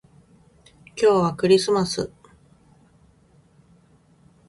今日はクリスマス